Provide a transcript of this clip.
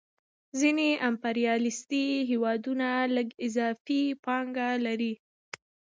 ځینې امپریالیستي هېوادونه لږ اضافي پانګه لري